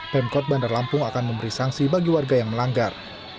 pemkot bandar lampung akan memberi sanksi bagi warga yang melanggar